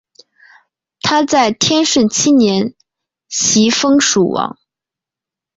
他在天顺七年袭封蜀王。